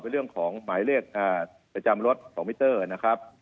เรื่องของหมายเลขประจำรถของมิเตอร์นะครับ